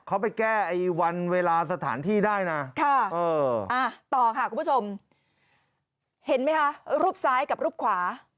เขาไปแก้ไอ้วันเวลาสถานที่ได้นะต่อค่ะคุณผู้ชมเห็นไหมคะรูปซ้ายกับรูปขวา